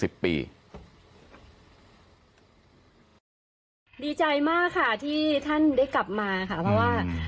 ดีใจมากค่ะที่ท่านได้กลับมาค่ะเพราะว่า